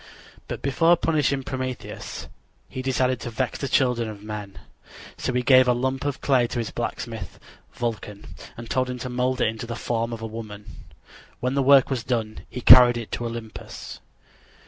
But before punishing Prometheus he decided to vex the children of men. So he gave a lump of clay to his blacksmith, Vulcan, and told him to mold it in the form of a woman. When the work was done he carried it to Olympus.